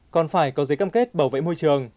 còn phải có giấy cam kết bảo vệ môi trường